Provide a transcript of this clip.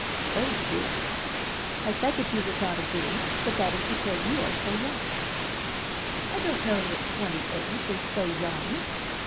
"O dear!" "I said that you would not agree; but that is because you are so young." "I don't know that twenty eight is so young."